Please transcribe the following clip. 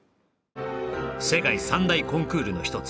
世界三大コンクールの一つ